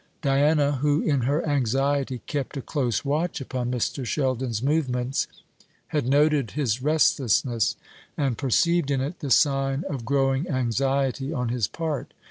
Diana, who in her anxiety kept a close watch upon Mr. Sheldon's movements, had noted his restlessness, and perceived in it the sign of growing anxiety on his part.